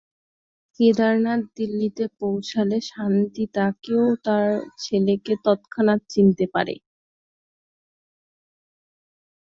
কেদারনাথ দিল্লিতে পৌঁছালে শান্তি তাকে ও তার ছেলেকে তৎক্ষণাৎ চিনতে পারেন।